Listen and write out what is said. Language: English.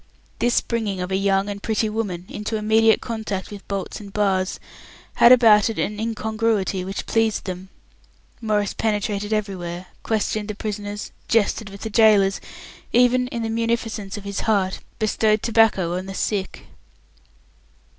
This bringing of a young and pretty woman into immediate contact with bolts and bars had about it an incongruity which pleased them. Maurice penetrated everywhere, questioned the prisoners, jested with the gaolers, even, in the munificence of his heart, bestowed tobacco on the sick.